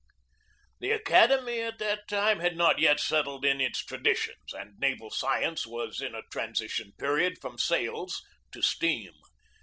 The academy at that time had not yet settled in its traditions, and naval science was in a transition period from sails to steam.